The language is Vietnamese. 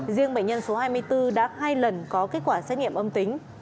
riêng bệnh nhân số hai mươi bốn đã hai lần có kết quả xét nghiệm âm tính